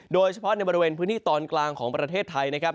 โดยเฉพาะในบริเวณพื้นที่ตอนกลางของประเทศไทยนะครับ